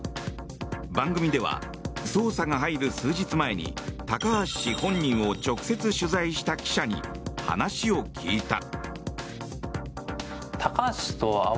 番組では、捜査が入る数日前に高橋氏本人を直接取材した記者に話を聞いた。